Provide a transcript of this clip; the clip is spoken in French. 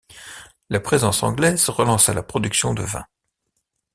La présence anglaise relança la production de vin.